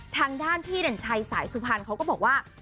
ทางด้านพี่เด่นชัยสายสุพรรณเขาก็บอกว่า